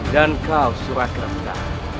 dan kau surakarta